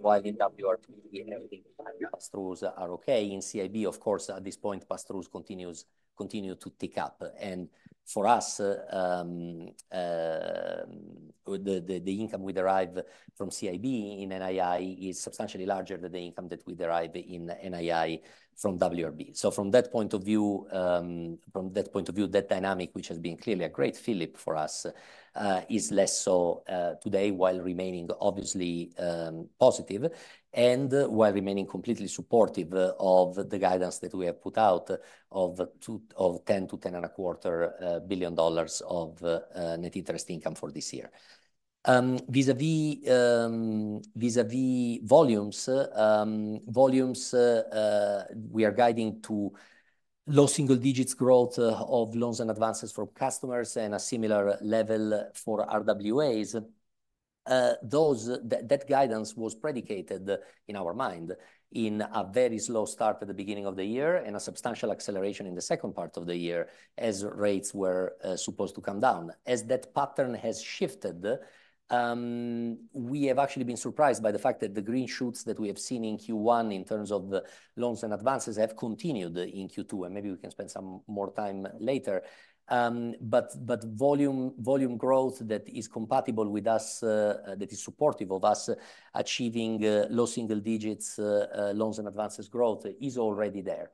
While in WRB, everything, pass-throughs are okay. In CIB, of course, at this point, pass-throughs continue to tick up. And for us, the income we derive from CIB in NII is substantially larger than the income that we derive in NII from WRB. So from that point of view, from that point of view, that dynamic, which has been clearly a great fillip for us, is less so today, while remaining obviously positive, and while remaining completely supportive of the guidance that we have put out of $10-$10.25 billion of net interest income for this year. Vis-à-vis volumes, we are guiding to low single digits growth of loans and advances from customers and a similar level for RWAs. That guidance was predicated, in our mind, in a very slow start at the beginning of the year and a substantial acceleration in the second part of the year as rates were supposed to come down. As that pattern has shifted, we have actually been surprised by the fact that the green shoots that we have seen in Q1 in terms of the loans and advances have continued in Q2, and maybe we can spend some more time later. But volume growth that is compatible with us, that is supportive of us achieving low single digits loans and advances growth is already there.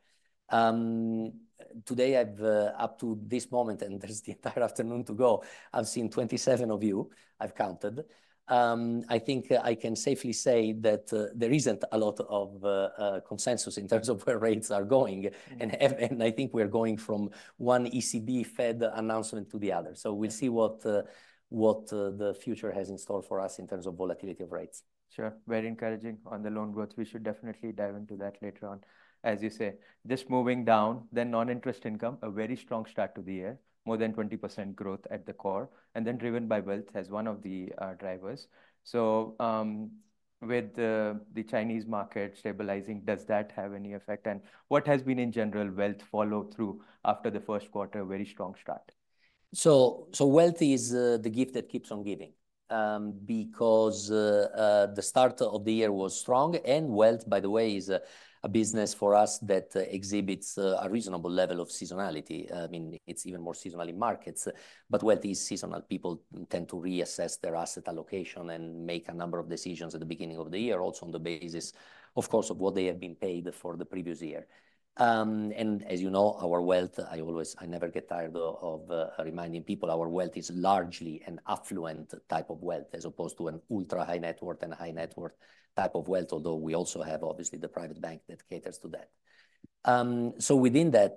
Today, I've up to this moment, and there's the entire afternoon to go, I've seen 27 of you. I've counted. I think I can safely say that there isn't a lot of consensus in terms of where rates are going, and I think we're going from one ECB Fed announcement to the other. So we'll see what the future has in store for us in terms of volatility of rates. Sure. Very encouraging on the loan growth. We should definitely dive into that later on. As you say, just moving down, then non-interest income, a very strong start to the year, more than 20% growth at the core, and then driven by wealth as one of the drivers. So, with the Chinese market stabilizing, does that have any effect? And what has been, in general, wealth follow through after the first quarter, a very strong start. So, wealth is the gift that keeps on giving, because the start of the year was strong, and wealth, by the way, is a business for us that exhibits a reasonable level of seasonality. I mean, it's even more seasonal in markets, but wealth is seasonal. People tend to reassess their asset allocation and make a number of decisions at the beginning of the year, also on the basis, of course, of what they have been paid for the previous year. And as you know, our wealth, I always—I never get tired of reminding people, our wealth is largely an affluent type of wealth, as opposed to an ultra-high-net-worth and high-net-worth type of wealth, although we also have, obviously, the private bank that caters to that. So within that,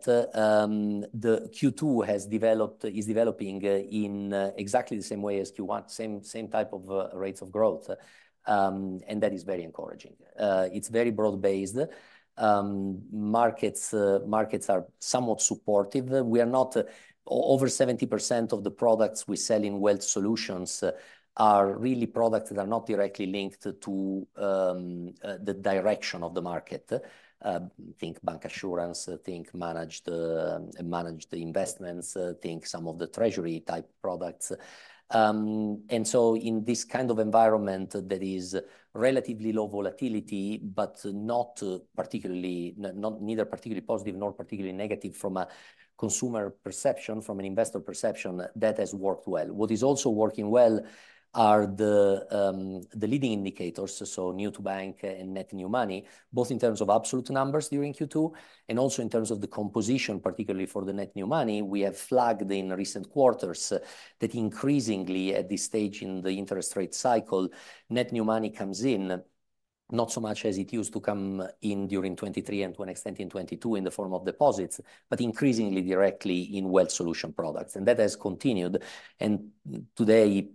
the Q2 has developed, is developing, in exactly the same way as Q1, same, same type of rates of growth, and that is very encouraging. It's very broad-based. Markets, markets are somewhat supportive. We are not... Over 70% of the products we sell in Wealth Solutions are really products that are not directly linked to the direction of the market, think bancassurance, think managed managed investments, think some of the treasury-type products. And so in this kind of environment that is relatively low volatility, but not particularly, not, neither particularly positive nor particularly negative from a consumer perception, from an investor perception, that has worked well. What is also working well are the, the leading indicators, so new to bank and net new money, both in terms of absolute numbers during Q2 and also in terms of the composition, particularly for the net new money. We have flagged in recent quarters that increasingly, at this stage in the interest rate cycle, net new money comes in, not so much as it used to come in during 2023 and to an extent in 2022, in the form of deposits, but increasingly directly in Wealth Solutions products, and that has continued. Today,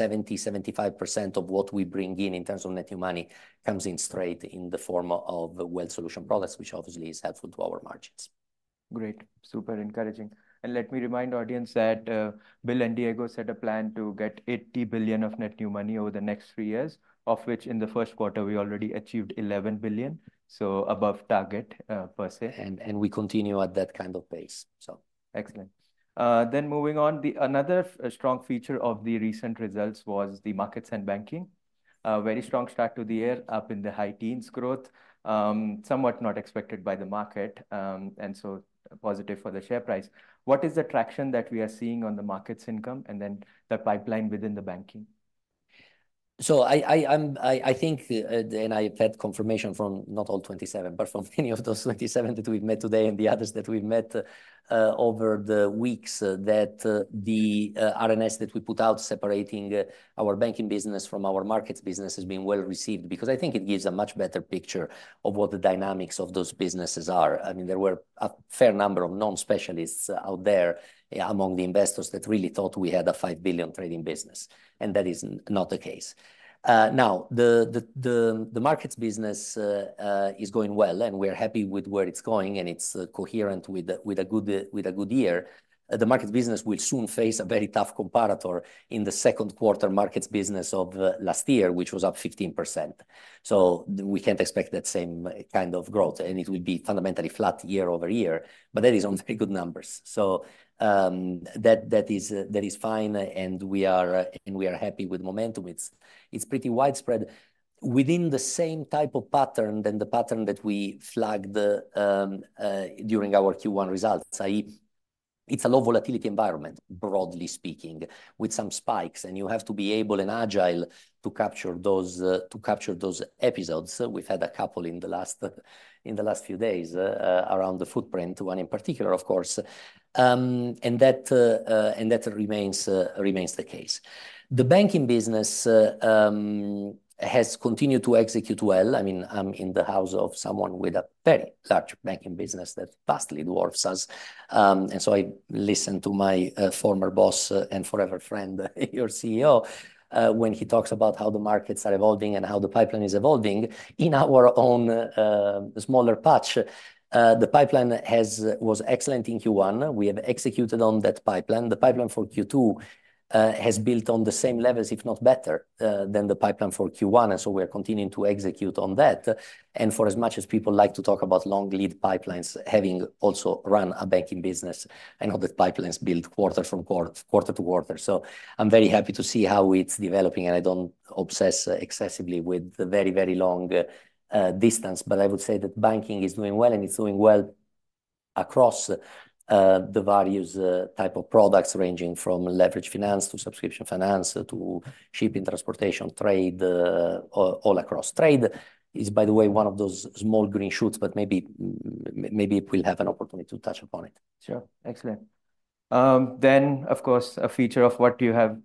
70-75% of what we bring in, in terms of net new money, comes in straight in the form of Wealth Solutions products, which obviously is helpful to our margins. Great. Super encouraging. And let me remind audience that, Bill and Diego set a plan to get $80 billion of net new money over the next three years, of which in the first quarter, we already achieved $11 billion, so above target, per se. We continue at that kind of pace, so. Excellent. Then moving on, another strong feature of the recent results was the markets and banking. A very strong start to the year, up in the high teens growth, somewhat not expected by the market, and so positive for the share price. What is the traction that we are seeing on the markets income and then the pipeline within the banking? So, I think, and I've had confirmation from not all 27, but from many of those 27 that we've met today and the others that we've met over the weeks, that the RNS that we put out separating our banking business from our markets business has been well received. Because I think it gives a much better picture of what the dynamics of those businesses are. I mean, there were a fair number of non-specialists out there, among the investors, that really thought we had a $5 billion trading business, and that is not the case. Now, the markets business is going well, and we're happy with where it's going, and it's coherent with a good year. The markets business will soon face a very tough comparator in the second quarter markets business of last year, which was up 15%. So we can't expect that same kind of growth, and it will be fundamentally flat year-over-year, but that is on very good numbers. So that is fine, and we are happy with momentum. It's pretty widespread within the same type of pattern than the pattern that we flagged during our Q1 results, i.e., it's a low volatility environment, broadly speaking, with some spikes, and you have to be able and agile to capture those episodes. We've had a couple in the last few days around the footprint, one in particular, of course. That remains the case. The banking business has continued to execute well. I mean, I'm in the house of someone with a very large banking business that vastly dwarfs us. So I listen to my former boss and forever friend, your CEO, when he talks about how the markets are evolving and how the pipeline is evolving. In our own smaller patch, the pipeline was excellent in Q1. We have executed on that pipeline. The pipeline for Q2 has built on the same levels, if not better, than the pipeline for Q1, and so we are continuing to execute on that. For as much as people like to talk about long lead pipelines, having also run a banking business, I know that pipeline's built quarter to quarter. So I'm very happy to see how it's developing, and I don't obsess excessively with the very, very long distance. But I would say that banking is doing well, and it's doing well across the various type of products, ranging from leveraged finance to subscription finance to shipping, transportation, trade, all, all across. Trade is, by the way, one of those small green shoots, but maybe we'll have an opportunity to touch upon it. Sure. Excellent. Then, of course, a feature of what you have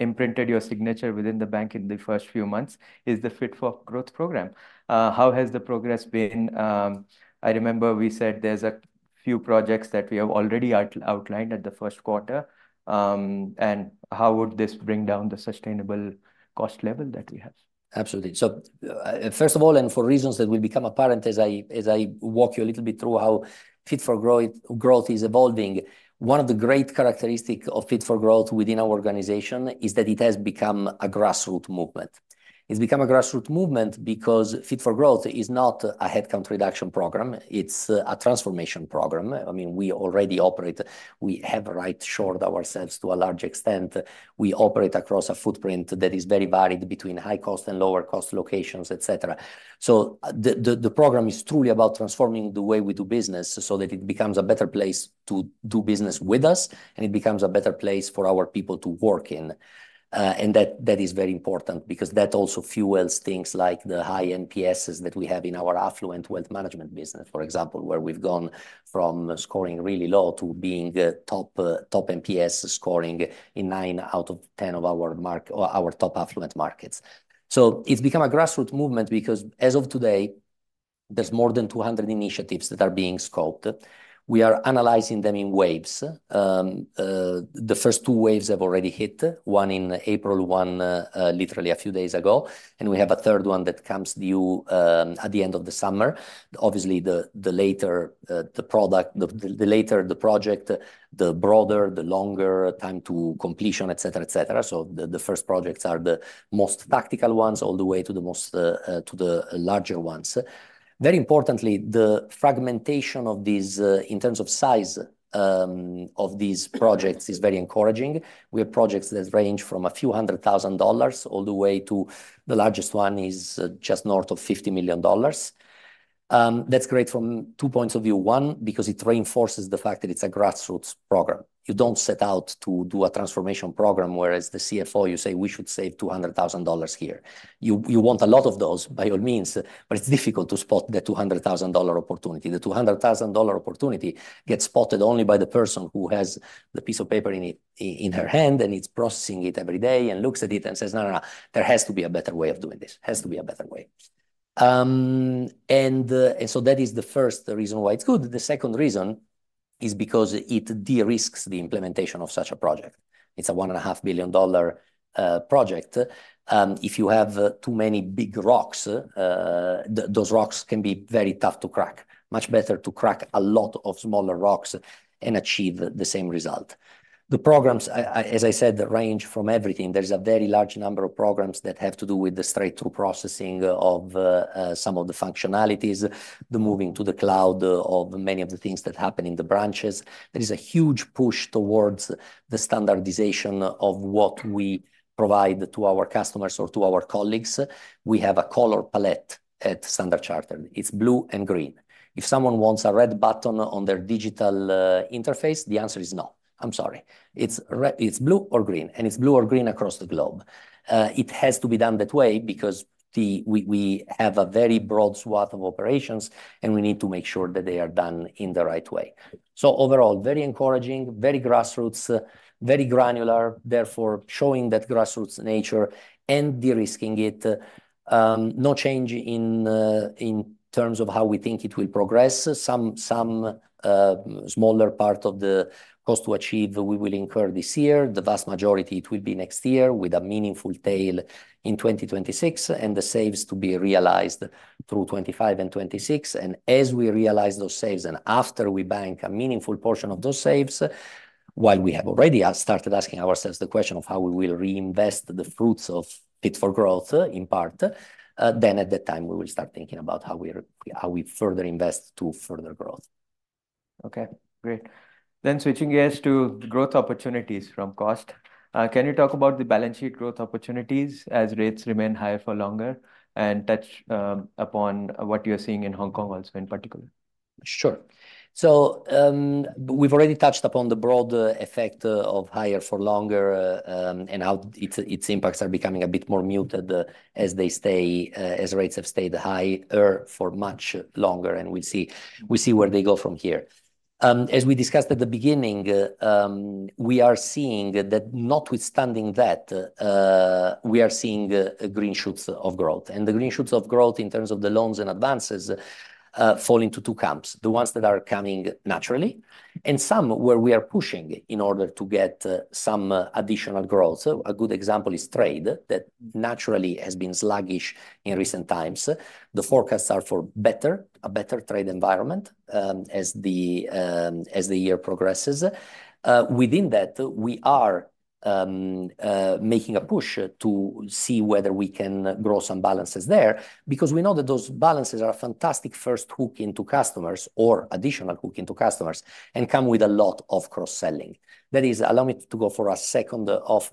imprinted your signature within the bank in the first few months is the Fit for Growth program. How has the progress been? I remember we said there's a few projects that we have already outlined at the first quarter. And how would this bring down the sustainable cost level that we have? Absolutely. So, first of all, and for reasons that will become apparent as I walk you a little bit through how Fit for Growth, Growth is evolving, one of the great characteristic of Fit for Growth within our organization is that it has become a grassroots movement. It's become a grassroots movement because Fit for Growth is not a headcount reduction program, it's a transformation program. I mean, we already operate. We have right-shored ourselves to a large extent. We operate across a footprint that is very varied between high-cost and lower-cost locations, et cetera. So the program is truly about transforming the way we do business, so that it becomes a better place to do business with us, and it becomes a better place for our people to work in. And that is very important because that also fuels things like the high NPSs that we have in our affluent wealth management business, for example, where we've gone from scoring really low to being the top, top NPS scoring in nine out of 10 of our top affluent markets. So it's become a grassroots movement because, as of today, there's more than 200 initiatives that are being scoped. We are analyzing them in waves. The first two waves have already hit, one in April, one, literally a few days ago, and we have a third one that comes due at the end of the summer. Obviously, the later the project, the broader, the longer time to completion, et cetera, et cetera. So the first projects are the most tactical ones, all the way to the most to the larger ones. Very importantly, the fragmentation of these in terms of size of these projects is very encouraging. We have projects that range from a few hundred thousand dollars all the way to, the largest one is just north of $50 million. That's great from two points of view: one, because it reinforces the fact that it's a grassroots program. You don't set out to do a transformation program, whereas the CFO, you say, "We should save $200,000 here." You want a lot of those, by all means, but it's difficult to spot the $200,000 opportunity. The $200,000 opportunity gets spotted only by the person who has the piece of paper in her hand, and is processing it every day, and looks at it and says, "No, no, no, there has to be a better way of doing this. Has to be a better way." And so that is the first reason why it's good. The second reason is because it de-risks the implementation of such a project. It's a $1.5 billion project. If you have too many big rocks, those rocks can be very tough to crack. Much better to crack a lot of smaller rocks and achieve the same result. The programs, as I said, range from everything. There's a very large number of programs that have to do with the straight-through processing of some of the functionalities, the moving to the cloud of many of the things that happen in the branches. There is a huge push towards the standardization of what we provide to our customers or to our colleagues. We have a color palette at Standard Chartered. It's blue and green. If someone wants a red button on their digital interface, the answer is no. I'm sorry. It's blue or green, and it's blue or green across the globe. It has to be done that way because we have a very broad swath of operations, and we need to make sure that they are done in the right way. So overall, very encouraging, very grassroots, very granular, therefore, showing that grassroots nature and de-risking it. No change in, in terms of how we think it will progress. Some smaller part of the cost to achieve, we will incur this year. The vast majority, it will be next year, with a meaningful tail in 2026, and the saves to be realised through 2025 and 2026. And as we realise those saves, and after we bank a meaningful portion of those saves, while we have already started asking ourselves the question of how we will reinvest the fruits of Fit for Growth, in part, then at that time, we will start thinking about how we further invest to further growth.... Okay, great. Then switching gears to growth opportunities from cost, can you talk about the balance sheet growth opportunities as rates remain high for longer, and touch upon what you're seeing in Hong Kong also in particular? Sure. So, we've already touched upon the broad effect of higher for longer, and how its impacts are becoming a bit more muted, as rates have stayed higher for much longer, and we'll see - we see where they go from here. As we discussed at the beginning, we are seeing that notwithstanding that, we are seeing green shoots of growth. And the green shoots of growth in terms of the loans and advances fall into two camps: the ones that are coming naturally, and some where we are pushing in order to get some additional growth. So a good example is trade, that naturally has been sluggish in recent times. The forecasts are for a better trade environment, as the year progresses. Within that, we are making a push to see whether we can grow some balances there, because we know that those balances are a fantastic first hook into customers or additional hook into customers, and come with a lot of cross-selling. That is, allow me to go for a second off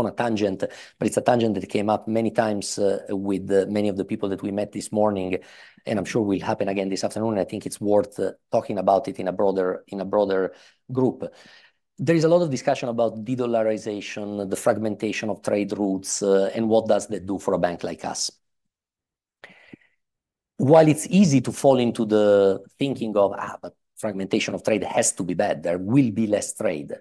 on a tangent, but it's a tangent that came up many times with many of the people that we met this morning, and I'm sure will happen again this afternoon, and I think it's worth talking about it in a broader group. There is a lot of discussion about de-dollarization, the fragmentation of trade routes, and what does that do for a bank like us? While it's easy to fall into the thinking of, "Ah, but fragmentation of trade has to be bad, there will be less trade,"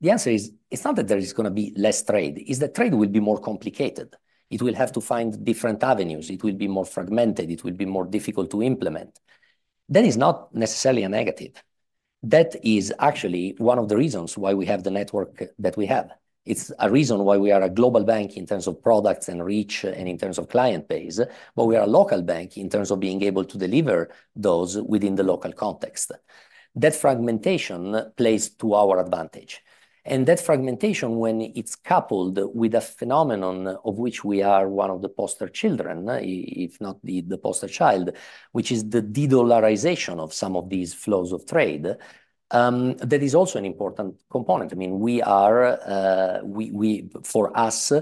the answer is, it's not that there is going to be less trade, it's that trade will be more complicated. It will have to find different avenues, it will be more fragmented, it will be more difficult to implement. That is not necessarily a negative. That is actually one of the reasons why we have the network that we have. It's a reason why we are a global bank in terms of products and reach, and in terms of client base, but we are a local bank in terms of being able to deliver those within the local context. That fragmentation plays to our advantage, and that fragmentation, when it's coupled with a phenomenon of which we are one of the poster children, if not the poster child, which is the de-dollarization of some of these flows of trade, that is also an important component. I mean, for us,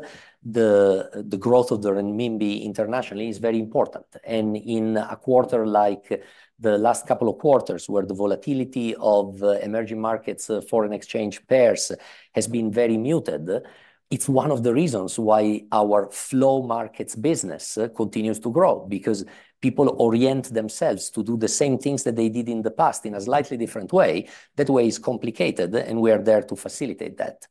the growth of the renminbi internationally is very important. And in a quarter like the last couple of quarters, where the volatility of emerging markets foreign exchange pairs has been very muted, it's one of the reasons why our flow markets business continues to grow, because people orient themselves to do the same things that they did in the past in a slightly different way. That way is complicated, and we are there to facilitate that.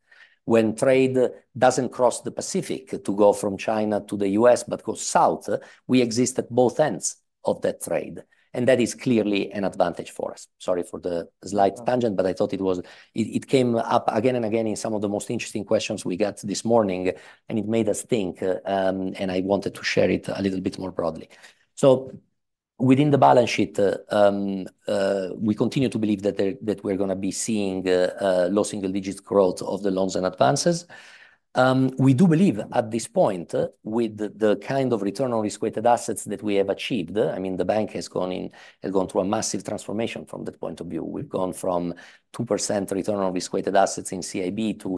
When trade doesn't cross the Pacific to go from China to the U.S., but goes south, we exist at both ends of that trade, and that is clearly an advantage for us. Sorry for the slight tangent, but I thought it came up again and again in some of the most interesting questions we got this morning, and it made us think, and I wanted to share it a little bit more broadly. So within the balance sheet, we continue to believe that we're going to be seeing low single-digit growth of the loans and advances. We do believe, at this point, with the kind of return on risk-weighted assets that we have achieved, I mean, the bank has gone through a massive transformation from that point of view. We've gone from 2% return on risk-weighted assets in CIB to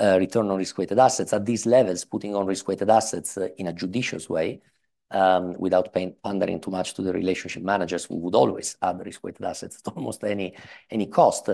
7-8%+ return on risk-weighted assets. At these levels, putting on risk-weighted assets in a judicious way, without pondering too much to the relationship managers, we would always add risk-weighted assets at almost any cost,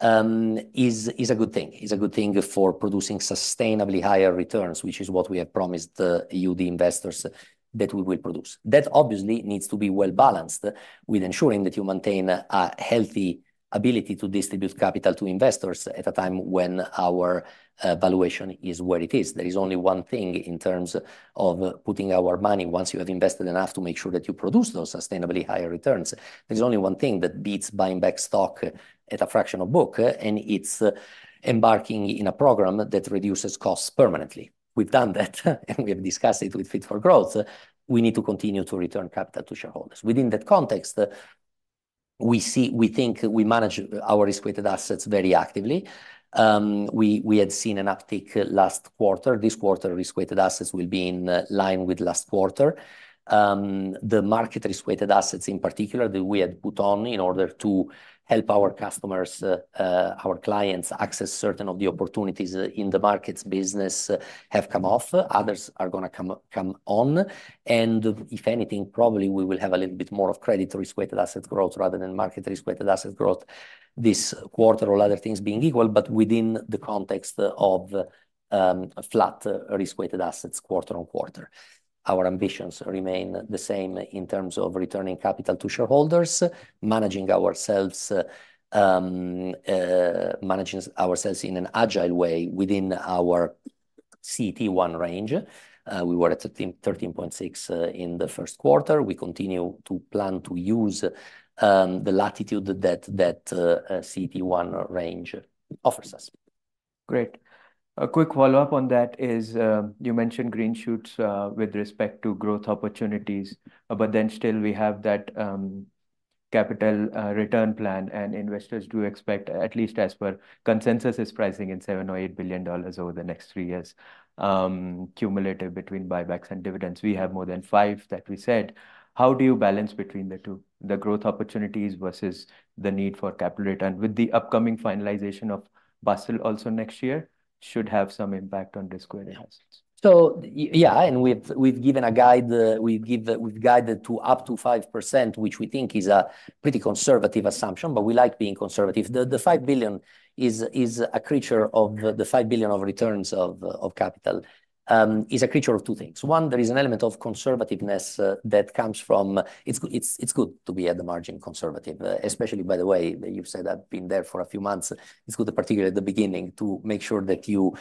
is a good thing. It's a good thing for producing sustainably higher returns, which is what we have promised you, the investors, that we will produce. That obviously needs to be well-balanced with ensuring that you maintain a healthy ability to distribute capital to investors at a time when our valuation is where it is. There is only one thing in terms of putting our money, once you have invested enough, to make sure that you produce those sustainably higher returns. There's only one thing that beats buying back stock at a fraction of book, and it's embarking in a program that reduces costs permanently. We've done that, and we have discussed it with Fit for Growth. We need to continue to return capital to shareholders. Within that context, we see- we think we manage our risk-weighted assets very actively. We had seen an uptick last quarter. This quarter, risk-weighted assets will be in line with last quarter. The market risk-weighted assets in particular that we had put on in order to help our customers, our clients, access certain of the opportunities in the markets business, have come off. Others are going to come on. If anything, probably we will have a little bit more of credit risk-weighted asset growth rather than market risk-weighted asset growth this quarter, all other things being equal, but within the context of a flat risk-weighted assets quarter on quarter. Our ambitions remain the same in terms of returning capital to shareholders, managing ourselves in an agile way within our CET1 range. We were at 13.6 in the first quarter. We continue to plan to use the latitude that CET1 range offers us. Great. A quick follow-up on that is, you mentioned Green Shoots with respect to growth opportunities, but then still we have that, capital return plan, and investors do expect, at least as per consensus, is pricing in $7-$8 billion over the next three years, cumulative between buybacks and dividends. We have more than 5 that we said. How do you balance between the two, the growth opportunities versus the need for capital return? With the upcoming finalization of Basel also next year, should have some impact on risk. So, yeah, and we've given a guide, we've guided to up to 5%, which we think is a pretty conservative assumption, but we like being conservative. The $5 billion is a creature of the $5 billion of returns of capital is a creature of two things: one, there is an element of conservativeness that comes from. It's good to be, at the margin, conservative, especially, by the way, you've said I've been there for a few months. It's good, particularly at the beginning, to make sure that you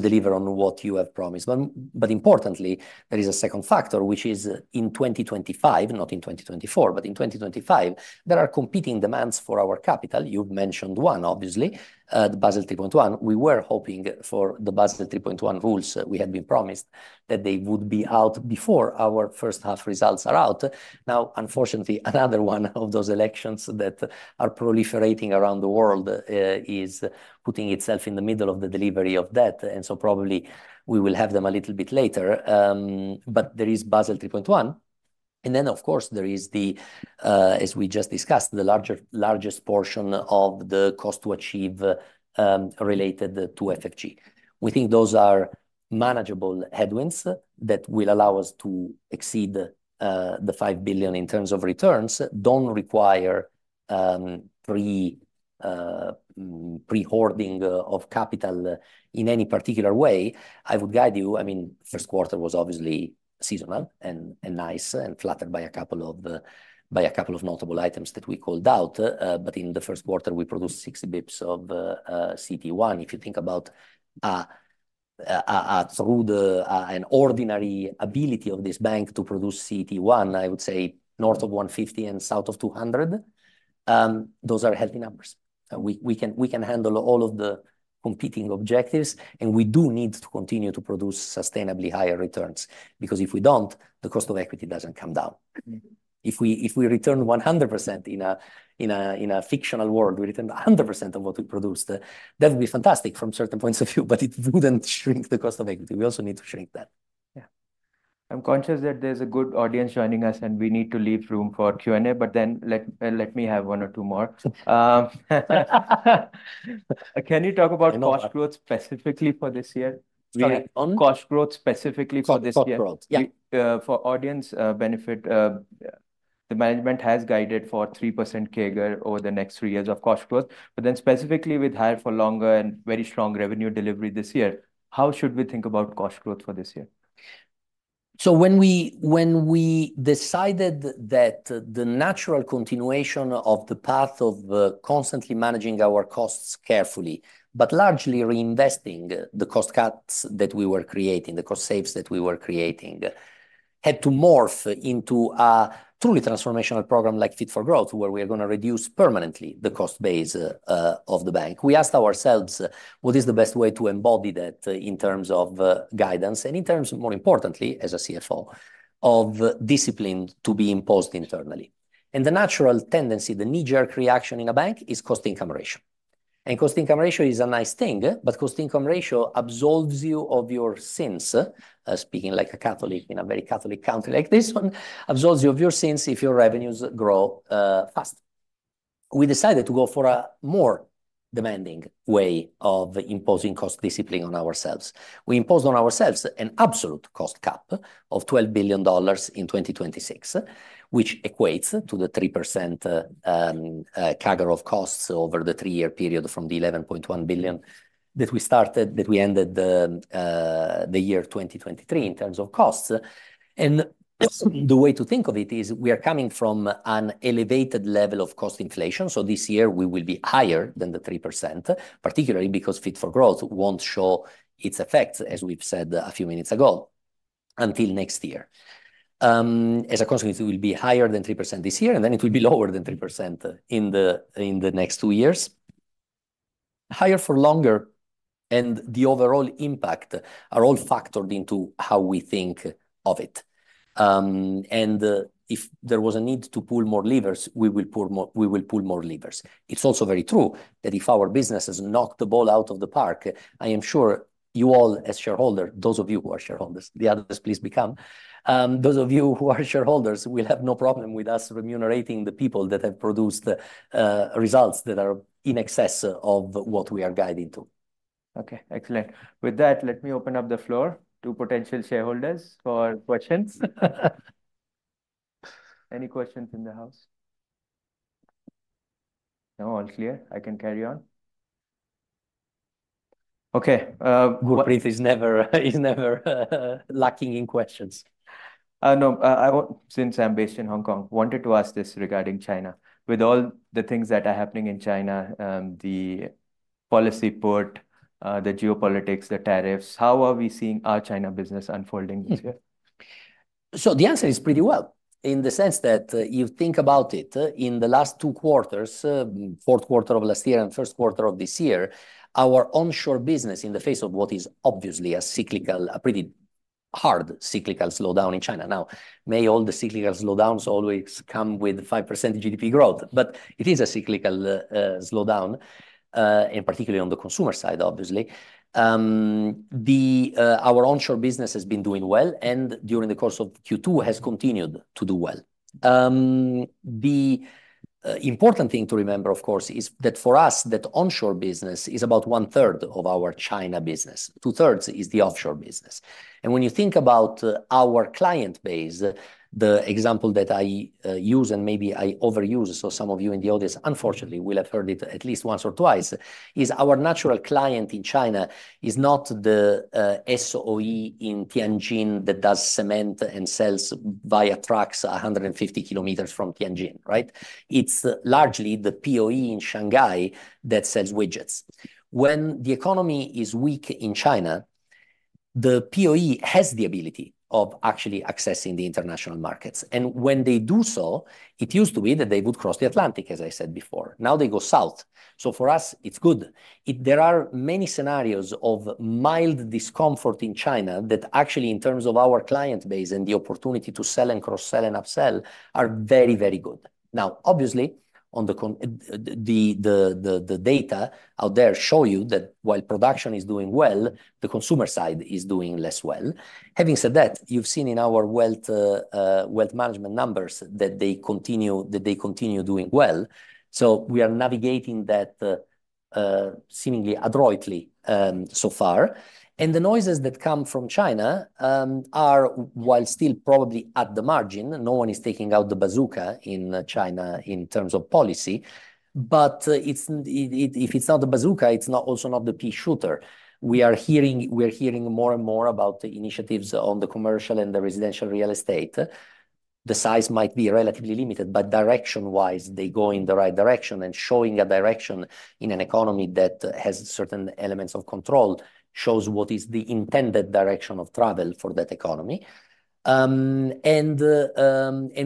deliver on what you have promised. But importantly, there is a second factor, which is, in 2025, not in 2024, but in 2025, there are competing demands for our capital. You've mentioned one, obviously, the Basel 3.1. We were hoping for the Basel 3.1 rules. We had been promised that they would be out before our first half results are out. Now, unfortunately, another one of those elections that are proliferating around the world is putting itself in the middle of the delivery of that, and so probably we will have them a little bit later. But there is Basel 3.1, and then, of course, there is the, as we just discussed, the largest portion of the cost to achieve related to FFG. We think those are manageable headwinds that will allow us to exceed the $5 billion in terms of returns, don't require pre-hoarding of capital in any particular way. I would guide you. I mean, first quarter was obviously seasonal, and nice, and flattered by a couple of notable items that we called out. But in the first quarter, we produced 6 basis points of CET1. If you think about an ordinary ability of this bank to produce CET1, I would say north of 150 and south of 200, those are healthy numbers. We can handle all of the competing objectives, and we do need to continue to produce sustainably higher returns, because if we don't, the cost of equity doesn't come down. If we return 100% in a fictional world, we return 100% of what we produce, that would be fantastic from certain points of view, but it wouldn't shrink the cost of equity. We also need to shrink that. Yeah. I'm conscious that there's a good audience joining us, and we need to leave room for Q&A, but then let me have one or two more. Can you talk about- You know-... cost growth specifically for this year? Sorry, on? Cost growth specifically for this year. Cost growth, yeah. For audience benefit, the management has guided for 3% CAGR over the next three years of cost growth. But then specifically with higher for longer and very strong revenue delivery this year, how should we think about cost growth for this year? So when we decided that the natural continuation of the path of constantly managing our costs carefully, but largely reinvesting the cost cuts that we were creating, the cost saves that we were creating, had to morph into a truly transformational program like Fit for Growth, where we are going to reduce permanently the cost base of the bank. We asked ourselves, what is the best way to embody that in terms of guidance, and in terms, more importantly, as a CFO, of discipline to be imposed internally? The natural tendency, the knee-jerk reaction in a bank, is Cost-Income Ratio. Cost-Income Ratio is a nice thing, but Cost-Income Ratio absolves you of your sins, speaking like a Catholic in a very Catholic country like this one, absolves you of your sins if your revenues grow fast. We decided to go for a more demanding way of imposing cost discipline on ourselves. We imposed on ourselves an absolute cost cap of $12 billion in 2026, which equates to the 3%, CAGR of costs over the three-year period from the $11.1 billion that we ended the year 2023 in terms of costs. And the way to think of it is we are coming from an elevated level of cost inflation, so this year we will be higher than the 3%, particularly because Fit for Growth won't show its effects, as we've said a few minutes ago, until next year. As a consequence, it will be higher than 3% this year, and then it will be lower than 3% in the next two years. Higher for longer, and the overall impact are all factored into how we think of it. And if there was a need to pull more levers, we will pull more, we will pull more levers. It's also very true that if our businesses knock the ball out of the park, I am sure you all, as shareholder, those of you who are shareholders, the others, please become, those of you who are shareholders will have no problem with us remunerating the people that have produced results that are in excess of what we are guiding to. Okay, excellent. With that, let me open up the floor to potential shareholders for questions. Any questions in the house? No, all clear. I can carry on? Okay. Gurpreet is never lacking in questions. Since I'm based in Hong Kong, wanted to ask this regarding China. With all the things that are happening in China, the policy pivot, the geopolitics, the tariffs, how are we seeing our China business unfolding this year? So the answer is pretty well, in the sense that you think about it, in the last two quarters, fourth quarter of last year and first quarter of this year, our onshore business, in the face of what is obviously a cyclical, hard cyclical slowdown in China. Now, may all the cyclical slowdowns always come with 5% GDP growth, but it is a cyclical slowdown, and particularly on the consumer side, obviously. Our onshore business has been doing well, and during the course of Q2, has continued to do well. The important thing to remember, of course, is that for us, that onshore business is about one third of our China business. Two thirds is the offshore business. When you think about our client base, the example that I use, and maybe I overuse, so some of you in the audience, unfortunately, will have heard it at least once or twice, is our natural client in China is not the SOE in Tianjin that does cement and sells via trucks 150 kilometers from Tianjin, right? It's largely the POE in Shanghai that sells widgets. When the economy is weak in China, the POE has the ability of actually accessing the international markets, and when they do so, it used to be that they would cross the Atlantic, as I said before. Now they go south. For us, it's good. There are many scenarios of mild discomfort in China that actually, in terms of our client base and the opportunity to sell and cross-sell and upsell, are very, very good. Now, obviously, on the contrary, the data out there show you that while production is doing well, the consumer side is doing less well. Having said that, you've seen in our wealth management numbers that they continue, that they continue doing well. So we are navigating that seemingly adroitly so far. And the noises that come from China are, while still probably at the margin, no one is taking out the bazooka in China in terms of policy, but it's not the bazooka, it's also not the peashooter. We are hearing, we are hearing more and more about the initiatives on the commercial and the residential real estate. The size might be relatively limited, but direction-wise, they go in the right direction, and showing a direction in an economy that has certain elements of control shows what is the intended direction of travel for that economy. And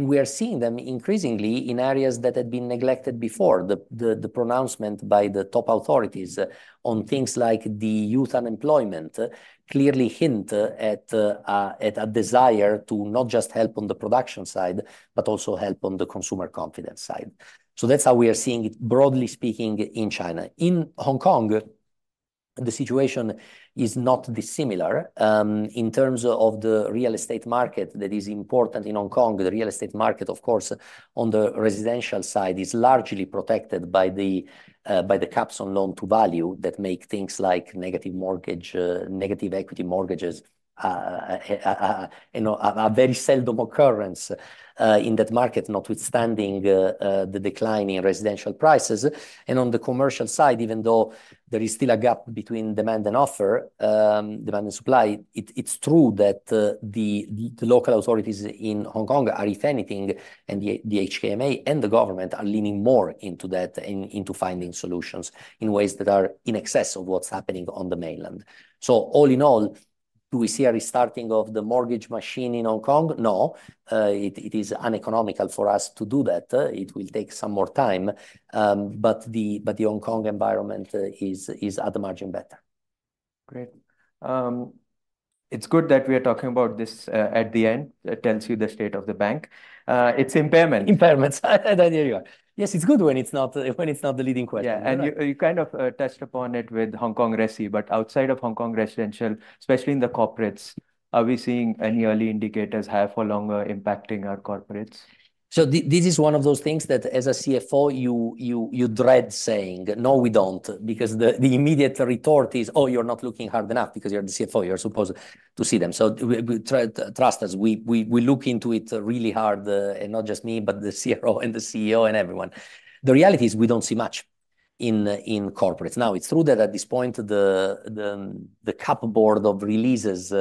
we are seeing them increasingly in areas that had been neglected before. The pronouncement by the top authorities on things like the youth unemployment clearly hint at a desire to not just help on the production side, but also help on the consumer confidence side. So that's how we are seeing it, broadly speaking, in China. In Hong Kong, the situation is not dissimilar. In terms of the real estate market that is important in Hong Kong, the real estate market, of course, on the residential side, is largely protected by the caps on loan-to-value that make things like negative mortgage, negative equity mortgages, you know, a very seldom occurrence in that market, notwithstanding the decline in residential prices. And on the commercial side, even though there is still a gap between demand and offer, demand and supply, it's true that the local authorities in Hong Kong are, if anything, and the HKMA and the government are leaning more into that, into finding solutions in ways that are in excess of what's happening on the mainland. So all in all, do we see a restarting of the mortgage machine in Hong Kong? No, it is uneconomical for us to do that. It will take some more time, but the Hong Kong environment is at the margin, better. Great. It's good that we are talking about this at the end. It tells you the state of the bank. It's impairment. Impairments, there you are. Yes, it's good when it's not, when it's not the leading question. Yeah, and you, you kind of touched upon it with Hong Kong resi. But outside of Hong Kong residential, especially in the corporates, are we seeing any early indicators have for longer impacting our corporates? So this is one of those things that, as a CFO, you dread saying. "No, we don't," because the immediate retort is: "Oh, you're not looking hard enough because you're the CFO, you're supposed to see them." So we-- Trust us, we look into it really hard, and not just me, but the CRO and the CEO and everyone. The reality is we don't see much in corporates. Now, it's true that at this point, the cupboard of releases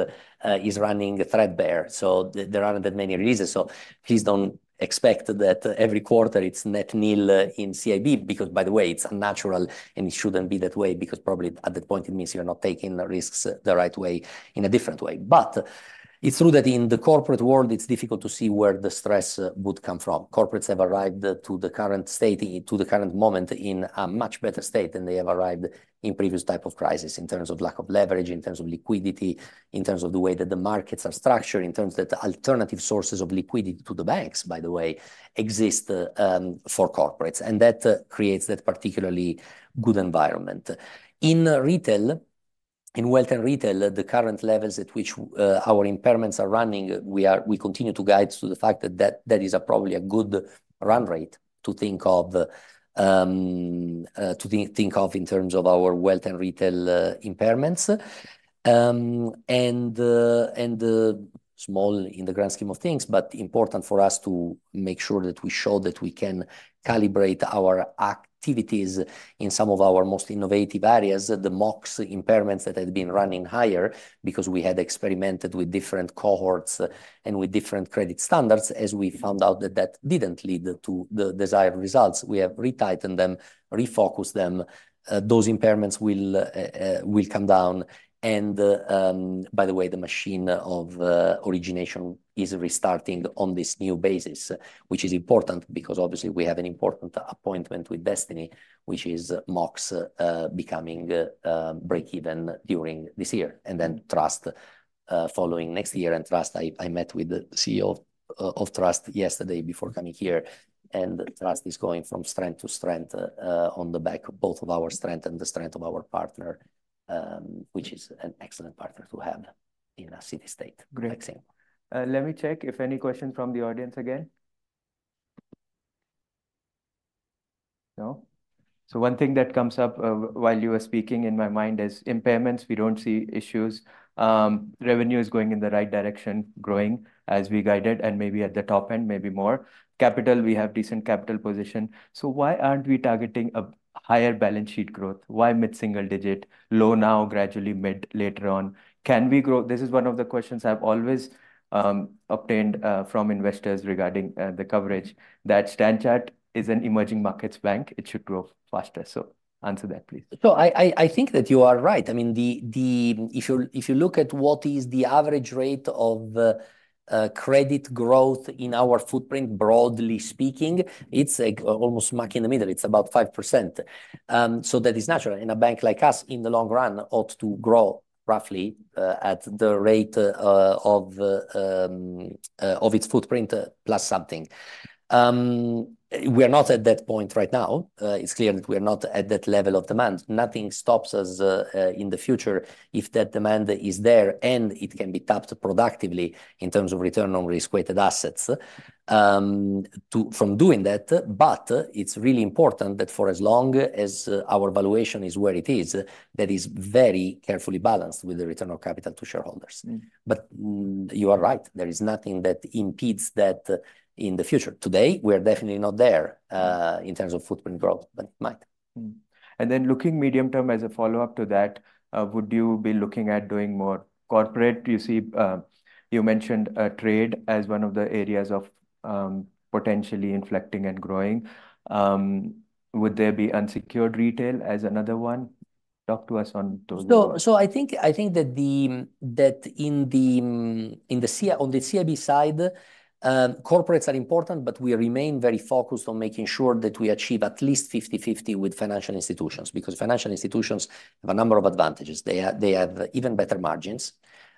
is running threadbare, so there aren't that many releases. So please don't expect that every quarter it's net nil in CIB, because, by the way, it's unnatural and it shouldn't be that way, because probably at that point, it means you're not taking the risks the right way, in a different way. But it's true that in the corporate world, it's difficult to see where the stress would come from. Corporates have arrived to the current state, to the current moment, in a much better state than they have arrived in previous type of crisis, in terms of lack of leverage, in terms of liquidity, in terms of the way that the markets are structured, in terms that alternative sources of liquidity to the banks, by the way, exist, for corporates. And that creates that particularly good environment. In retail, in wealth and retail, the current levels at which, our impairments are running, we continue to guide to the fact that that is probably a good run rate to think of, to think of in terms of our wealth and retail, impairments. Small in the grand scheme of things, but important for us to make sure that we show that we can calibrate our activities in some of our most innovative areas, Mox's impairments that had been running higher because we had experimented with different cohorts and with different credit standards, as we found out that that didn't lead to the desired results. We have retightened them, refocused them. Those impairments will come down, and, by the way, the machine of origination is restarting on this new basis, which is important, because obviously we have an important appointment with destiny, which is Mox becoming breakeven during this year. And then Trust following next year. And Trust, I met with the CEO of Trust yesterday before coming here, and Trust is going from strength to strength on the back of both of our strength and the strength of our partner, which is an excellent partner to have in a city state. Great. Like Singapore. Let me check if any question from the audience again. No? So one thing that comes up while you were speaking, in my mind, is impairments, we don't see issues. Revenue is going in the right direction, growing as we guided, and maybe at the top end, maybe more. Capital, we have decent capital position. So why aren't we targeting a higher balance sheet growth? Why mid-single digit? Low now, gradually mid later on. Can we grow...? This is one of the questions I've always obtained from investors regarding the coverage, that Standard Chartered is an emerging markets bank, it should grow faster. So answer that, please. I think that you are right. I mean, if you look at what is the average rate of credit growth in our footprint, broadly speaking, it's like almost smack in the middle. It's about 5%. So that is natural, and a bank like us, in the long run, ought to grow roughly at the rate of its footprint, plus something. We are not at that point right now. It's clear that we are not at that level of demand. Nothing stops us in the future if that demand is there, and it can be tapped productively in terms of return on risk-weighted assets from doing that. It's really important that, for as long as our valuation is where it is, that is very carefully balanced with the return of capital to shareholders. Mm. But you are right, there is nothing that impedes that in the future. Today, we're definitely not there, in terms of footprint growth, but might. And then looking medium term, as a follow-up to that, would you be looking at doing more corporate? You see, you mentioned, trade as one of the areas of, potentially inflecting and growing. Would there be unsecured retail as another one? Talk to us on those ones. I think that in the CIB side, corporates are important, but we remain very focused on making sure that we achieve at least 50/50 with financial institutions, because financial institutions have a number of advantages. They have even better margins.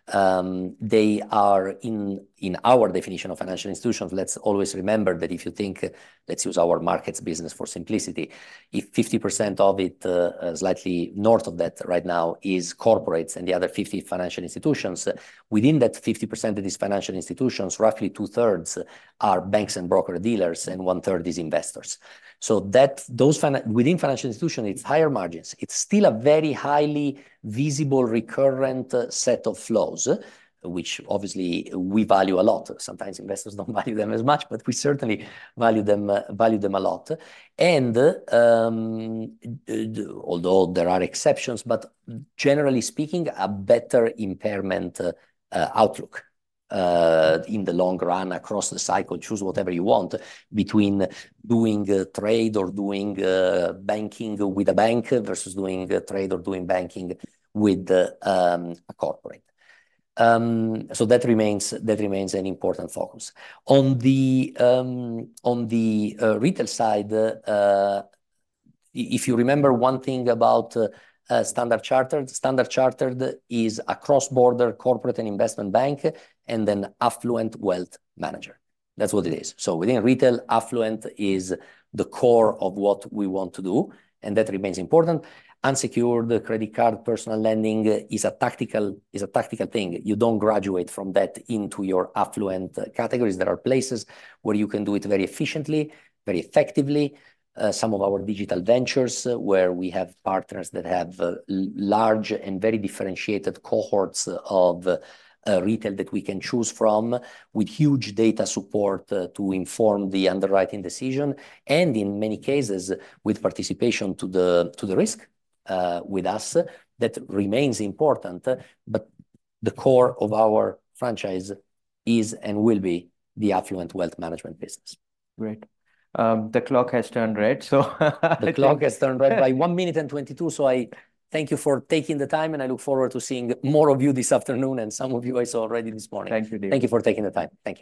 They are, in our definition of financial institutions, let's always remember that if you think, let's use our markets business for simplicity, if 50% of it, slightly north of that right now, is corporates and the other 50 financial institutions, within that 50% of these financial institutions, roughly two-thirds are banks and broker-dealers, and one-third is investors. So that, those financial institutions within financial institution, it's higher margins. It's still a very highly visible, recurrent set of flows, which obviously we value a lot. Sometimes investors don't value them as much, but we certainly value them, value them a lot. Although there are exceptions, but generally speaking, a better impairment outlook in the long run across the cycle. Choose whatever you want between doing trade or doing banking with a bank, versus doing trade or doing banking with a corporate. So that remains, that remains an important focus. On the retail side, if you remember one thing about Standard Chartered, Standard Chartered is a cross-border corporate and investment bank, and an affluent wealth manager. That's what it is. So within retail, affluent is the core of what we want to do, and that remains important. Unsecured credit card, personal lending is a tactical, is a tactical thing. You don't graduate from that into your affluent categories. There are places where you can do it very efficiently, very effectively. Some of our digital ventures, where we have partners that have large and very differentiated cohorts of retail that we can choose from, with huge data support to inform the underwriting decision, and in many cases, with participation to the, to the risk with us, that remains important. But the core of our franchise is and will be the affluent wealth management business. Great. The clock has turned red, so... The clock has turned red by one minute and 22, so I thank you for taking the time, and I look forward to seeing more of you this afternoon, and some of you I saw already this morning. Thank you, Diego. Thank you for taking the time. Thank you.